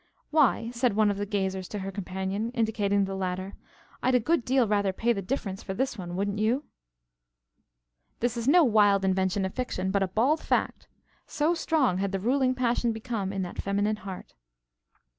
"Why," said one of the gazers to her companion, indicating the latter, "I'd a good deal rather pay the difference for this one, wouldn't you?" This is no wild invention of fiction, but a bald fact. So strong had the ruling passion become in that feminine heart.